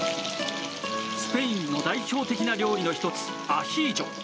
スペインの代表的な料理の１つアヒージョ。